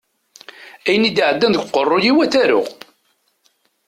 Ayen i d-iɛeddan deg uqerruy-iw ad t-aruɣ.